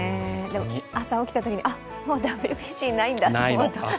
朝起きたときに、あっ、もうＷＢＣないんだと。